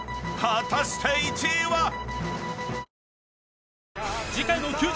［果たして１位は⁉］